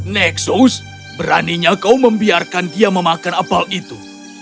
nexus beraninya kau membiarkan dia memakan apel itu